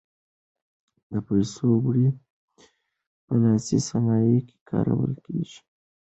د پسونو وړۍ په لاسي صنایعو کې کارول کېږي.